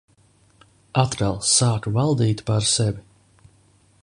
Atkal sāku valdīt pār sevi.